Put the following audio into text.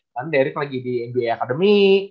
kan derek lagi di nba academy